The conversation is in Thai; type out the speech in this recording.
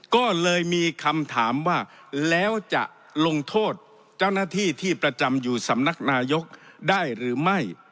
ก็เลยมีคำถามว่าแล้วจะลงโทษเจ้าหน้าที่ที่ประจำอยู่สำนักนายกได้หรือไม่